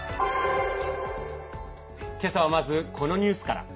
今朝は、まずこのニュースから。